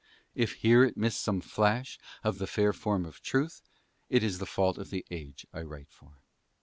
If here it miss some flash of the fair form of Truth it is the fault of the age I write for.